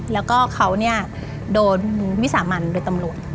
แล้วก็เขาโดนวิสามันโดยตำรวจ